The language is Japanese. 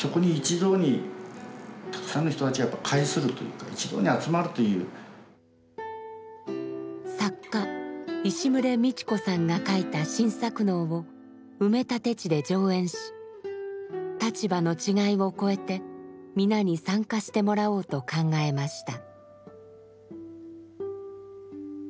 だけれども作家石牟礼道子さんが書いた新作能を埋め立て地で上演し立場の違いを超えて皆に参加してもらおうと考えました。